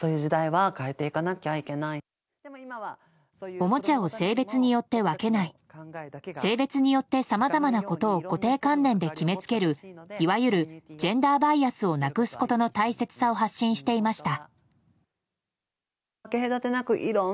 おもちゃを性別によって分けない性別によって、さまざまなことを固定観念で決めつけるいわゆるジェンダーバイアスをなくすことの大切さを発信していました。